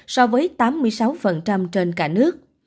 so với tám mươi sáu trên cả nước